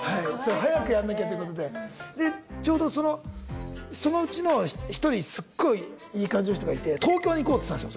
早くやんなきゃってことででちょうどそのそのうちの１人すっごいいい感じの人がいて「東京に行こう！」って言ったんですよ